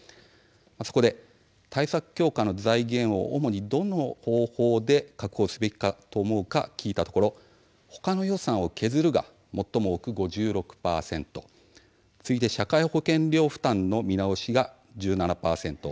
そこで対策強化の財源を主にどんな方法で確保すべきかと聞いたところほかの予算を削るが最も多く５６％次いで社会保険料負担の見直しは１７％。